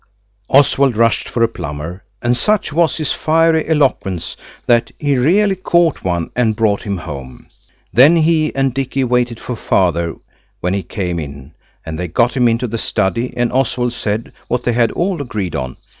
Oswald rushed for a plumber, and such was his fiery eloquence he really caught one and brought him home. Then he and Dicky waited for Father when he came in, and they got him into the study, and Oswald said what they had all agreed on.